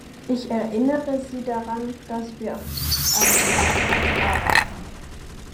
Ich erinnere Sie daran, dass wir auf einem Marktplatz arbeiten.